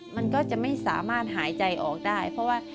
มันก็จะไม่สามารถหายใจออกได้เพราะว่า